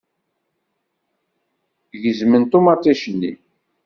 Gezmen ṭumaṭic-nni.